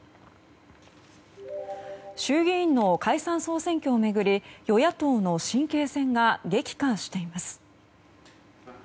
衆議院の解散・総選挙を巡り与野党の神経戦が激化しています。